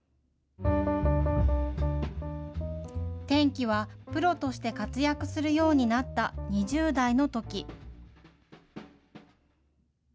転機は、プロとして活躍するようになった２０代のとき。